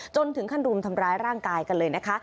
จนถึงขั้นรุมทำร้ายร่างกายกันเลยนะคะ